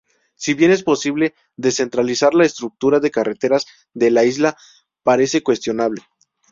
Si bien es posible descentralizar la estructura de carreteras de la isla, parece cuestionable.